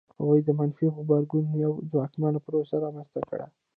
هغوی د منفي غبرګون یوه ځواکمنه پروسه رامنځته کړه.